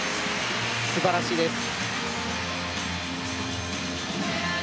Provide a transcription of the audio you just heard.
素晴らしいです。